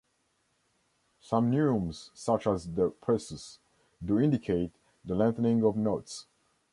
Some neumes, such as the "pressus", do indicate the lengthening of notes.